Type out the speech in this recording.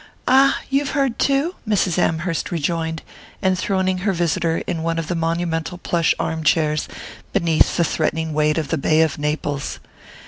"Ah, you've heard too?" Mrs. Amherst rejoined, enthroning her visitor in one of the monumental plush armchairs beneath the threatening weight of the Bay of Naples.